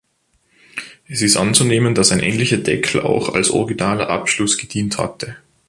Es ist anzunehmen, dass ein ähnlicher Deckel auch als originaler Abschluss gedient hatte.